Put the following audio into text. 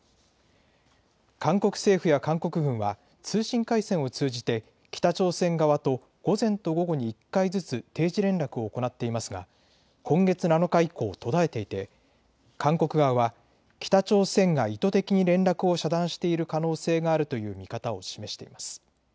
韓国政府や韓国軍は通信回線を通じて北朝鮮側と午前と午後に１回ずつ定時連絡を行っていますが今月７日以降、途絶えていて韓国側は北朝鮮が意図的に連絡を遮断している可能性があるという見方を示しています。